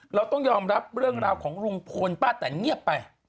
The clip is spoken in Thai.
เราต้องยอมรับเรื่องราวของลุงพลป้าแตนเงียบไป